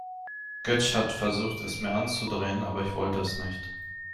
Götsch hat versucht, es mir anzudrehen, aber ich wollte es nicht.